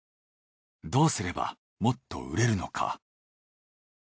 どうすればもっと売れるのか？